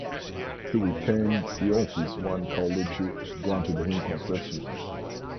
He retained the office when Carlucci granted him concessions.